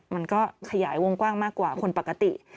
มันก็ขยายวงกว้างมากกว่าคนปกติ